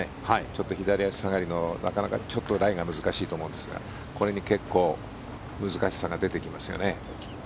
ちょっと左足下がりのちょっとライが難しいと思うんですがこれに結構、難しさが出てきますよね。